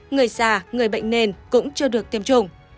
người già người bệnh nền cũng chưa được tiêm chủng